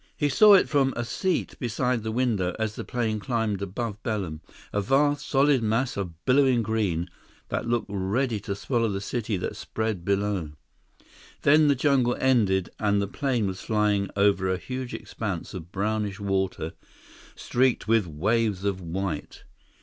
He saw it from a seat beside the window as the plane climbed above Belem; a vast, solid mass of billowing green that looked ready to swallow the city that spread below. Then the jungle ended, and the plane was flying over a huge expanse of brownish water streaked with waves of white.